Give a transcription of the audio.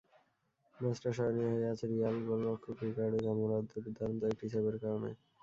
ম্যাচটা স্মরণীয় হয়ে আছে রিয়াল গোলরক্ষক রিকার্ডো জামোরার দুর্দান্ত একটি সেভের কারণে।